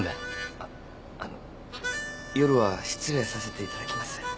あっあの夜は失礼させていただきます。